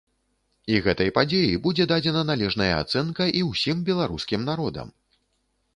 І гэтай падзеі будзе дадзена належная ацэнка і ўсім беларускім народам.